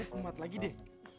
gue kemat lagi deh